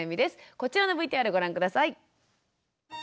こちらのＶＴＲをご覧下さい。